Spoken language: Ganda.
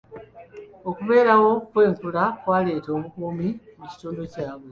Okubeerawo kw'enkula kwaleeta obukuumi mu kitundu kyabwe.